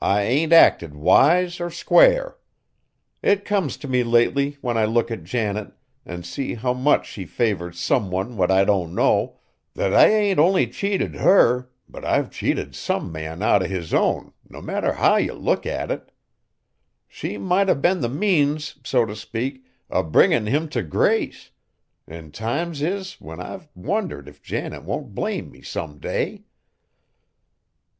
I ain't acted wise or square. It comes t' me lately when I look at Janet, an' see how much she favors some one what I don't know, that I ain't only cheated her, but I've cheated some man out o' his own, no matter how ye look at it. She might 'a' been the means, so t' speak, o' bringin' him t' grace; an' times is when I've wondered if Janet won't blame me some day."